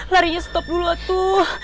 larinya stop dulu tuh